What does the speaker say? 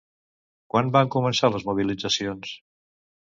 Quan van començar les mobilitzacions?